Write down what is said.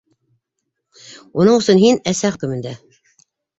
Уның өсөн һин - әсә хөкөмөндә.